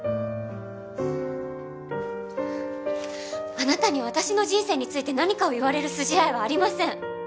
あなたに私の人生について何かを言われる筋合いはありません